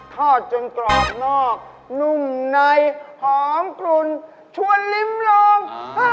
ทอดจนกรอบนอกนุ่มในหอมกลุ่นชวนลิ้มลอง